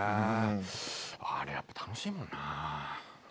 あれやっぱ楽しいもんな。